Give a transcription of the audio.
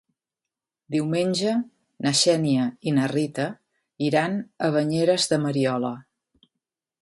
Diumenge na Xènia i na Rita iran a Banyeres de Mariola.